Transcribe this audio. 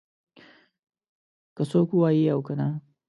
که څوک ووايي او که نه.